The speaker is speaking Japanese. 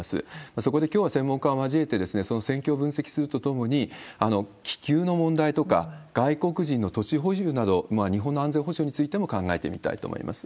そこできょうは専門家を交えて、その戦況を分析するとともに、気球の問題とか外国人の土地保有など、日本の安全保障についても考えてみたいと思います。